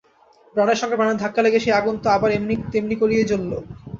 প্রাণের সঙ্গে প্রাণের ধাক্কা লেগে সেই আগুন তো আবার তেমনি করেই জ্বলল।